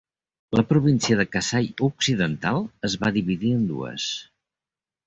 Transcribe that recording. La província de Kasai Occidental es va dividir en dues.